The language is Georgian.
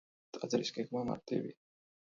ტაძრის გეგმა მარტივია.